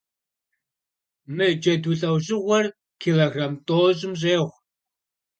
Мы джэду лӏэужьыгъуэр киллограмм тӀощӀым щӀегъу.